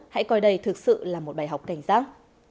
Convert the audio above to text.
hãy coi đây thực sự là một bài học cảnh giác